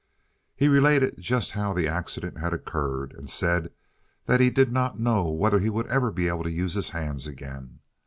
He related just how the accident had occurred, and said that he did not know whether he would ever be able to use his hands again.